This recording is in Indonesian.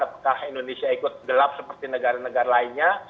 apakah indonesia ikut gelap seperti negara negara lainnya